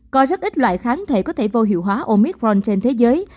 có rất ít loại kháng thể có thể vô hiệu hóa omicron trên thế giới